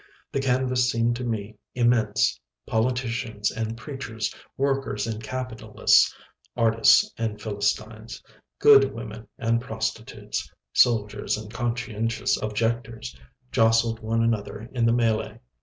The canvas seemed to me immense. Politicians and preachers, workers and capitalists, artists and philistines, "good" women and prostitutes, soldiers and conscientious objectors jostled one another in the mêlée.